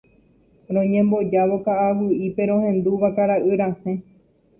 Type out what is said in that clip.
Roñembojávo ka'aguy'ípe rohendu vakara'y rasẽ.